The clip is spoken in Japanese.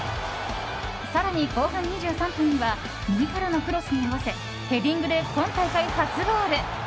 更に後半２３分には右からのクロスに合わせヘディングで今大会初ゴール。